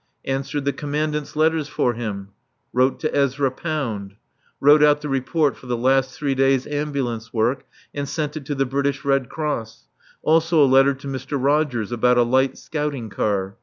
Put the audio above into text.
Answered the Commandant's letters for him. Wrote to Ezra Pound. Wrote out the report for the last three days' ambulance work and sent it to the British Red Cross; also a letter to Mr. Rogers about a light scouting car.